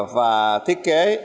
và thiết kế